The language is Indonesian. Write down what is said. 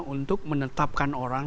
untuk menetapkan orang